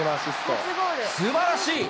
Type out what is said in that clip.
すばらしい。